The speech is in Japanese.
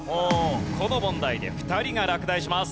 この問題で２人が落第します。